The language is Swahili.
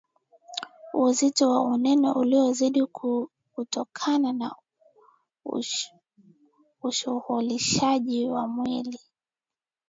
uzito na unene uliyozidi Kutokana na ushughulishaji wa mwili